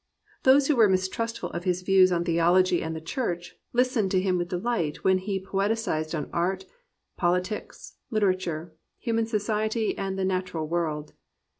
Those who were mistrustful of his views on theology 342 A PURITAN PLUS POETRY and the church, listened to him with delight when he poetized on art, politics, Hterature, human society and the natural world.